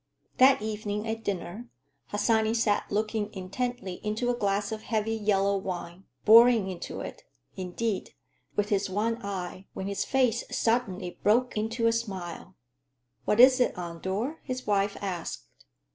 That evening at dinner Harsanyi sat looking intently into a glass of heavy yellow wine; boring into it, indeed, with his one eye, when his face suddenly broke into a smile. "What is it, Andor?" his wife asked.